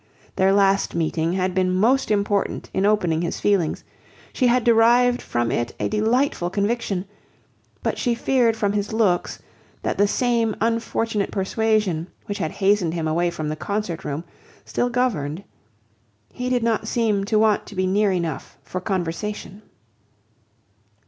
Their last meeting had been most important in opening his feelings; she had derived from it a delightful conviction; but she feared from his looks, that the same unfortunate persuasion, which had hastened him away from the Concert Room, still governed. He did not seem to want to be near enough for conversation.